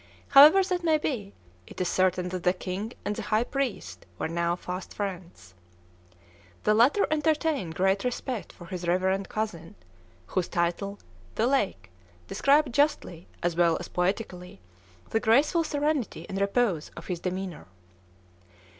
However that may be, it is certain that the king and the high priest were now fast friends. The latter entertained great respect for his reverend cousin, whose title ("The Lake") described justly, as well as poetically, the graceful serenity and repose of his demeanor.